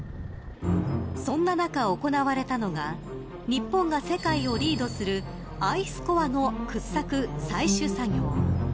そんな中、行われたのが日本が世界をリードするアイスコアの掘削、採取作業。